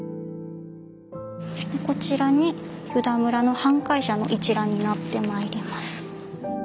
こちらに湯田村の半壊者の一覧になってまいります。